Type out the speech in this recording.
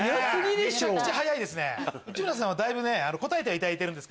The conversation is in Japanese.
めちゃくちゃ早いですね。